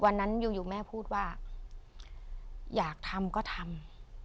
วันนั้นอยู่แม่พูดว่าอยากทำก็ทำ